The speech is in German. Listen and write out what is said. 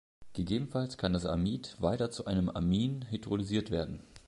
Gegebenenfalls kann das Amid weiter zu einem Amin hydrolysiert werden.